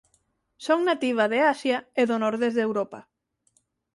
Son nativa de Asia e do nordés de Europa.